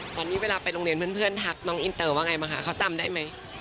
ตอนนี้เวลาไปโรงเรียนเพื่อนทักน้องอินเตอร์ว่าไงบ้างคะเขาจำได้ไหม